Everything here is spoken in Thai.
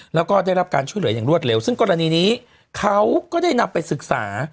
แล้วก็ได้รับการช่วยเหลืออย่างรวดเร็วซึ่งกรณีนี้เขาก็ได้นำไปศึกษา